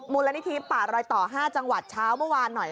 มูลนิธิป่ารอยต่อ๕จังหวัดเช้าเมื่อวานหน่อย